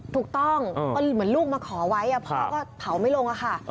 ถูกต้องเหมือนลูกมาขอไว้พ่อก็เผาไม่ลงค่ะ